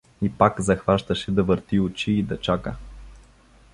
И пак захващаше да върти очи и да чака.